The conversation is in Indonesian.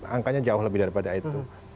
angkanya jauh lebih daripada itu